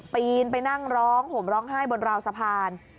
ปีนไปนั่งร้องห่มร้องไห้บนราวสะพาน